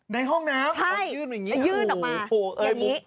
ในห้องน้ำยื่นแบบนี้หรอโอ้โฮอย่างนี้